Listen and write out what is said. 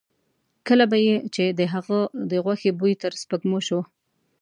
کله به یې چې د هغه د غوښې بوی تر سپېږمو شو.